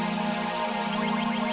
sejak kini berganti malam